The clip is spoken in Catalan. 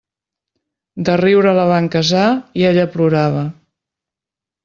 De riure la van casar i ella plorava.